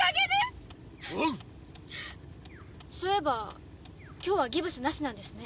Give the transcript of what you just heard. そういえば今日はギプスなしなんですね。